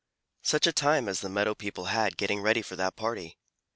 Such a time as the meadow people had getting ready for that party!